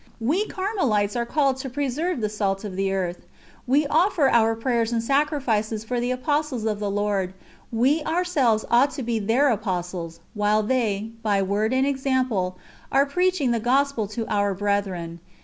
We Carmelites are called to preserve "the salt of the earth." We offer our prayers and sacrifices for the apostles of the Lord; we ourselves ought to be their apostles, while they, by word and example, are preaching the Gospel to our brethren.